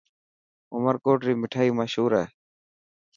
عمرڪوٽ ري مٺائن مشهور هي.